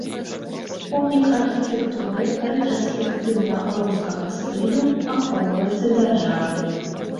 Помнік архітэктуры рэтраспектыўна-рускага стылю, ахоўваецца дзяржавай.